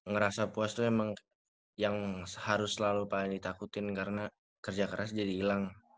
ngerasa puas tuh emang yang harus selalu paling ditakutin karena kerja keras jadi hilang